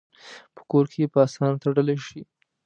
په کور کې یې په آسانه تړلی شي.